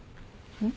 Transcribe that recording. うん。